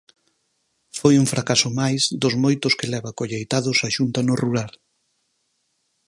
Foi un fracaso máis dos moitos que leva colleitados a Xunta no rural.